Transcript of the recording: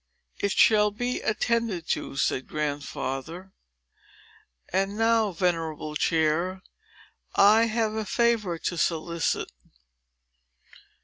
"It shall be attended to," said Grandfather. "And now, venerable chair, I have a favor to solicit.